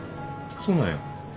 そうなんや。